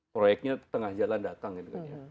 proyeknya tengah jalan datang ya